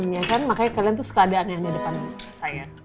ya kan makanya kalian tuh suka ada depan saya